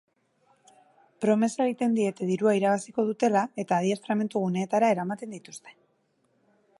Promes egiten diete dirua irabaziko dutela eta adiestramentu guneetara eramaten dituzte.